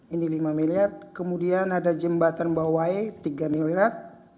ini lima miliar kemudian ada jembatan bawai tiga miliar